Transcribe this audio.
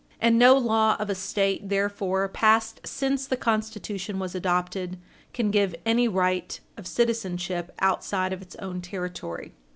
And no law of a State, therefore, passed since the Constitution was adopted, can give any right of citizenship outside of its own territory.